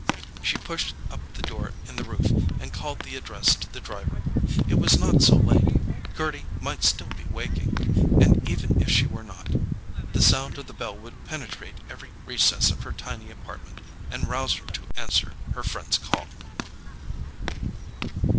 She pushed up the door in the roof and called the address to the driver. It was not so late—Gerty might still be waking. And even if she were not, the sound of the bell would penetrate every recess of her tiny apartment, and rouse her to answer her friend's call.